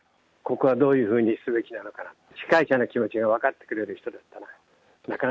ここはどういうふうにすべきなのかなって、司会者の気持ちを分かってくれる人だったな。